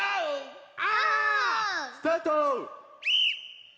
お！スタート！